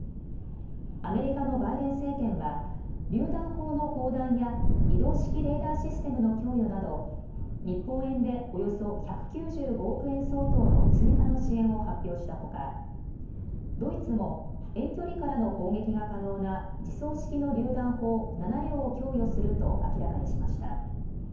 アメリカのバイデン政権はりゅう弾砲の砲弾や移動式レーダーシステムの供与など日本円でおよそ１９５億円相当の追加の支援を発表したほかドイツも遠距離からの砲撃が可能な自走式のりゅう弾砲７両を供与すると明らかにしました。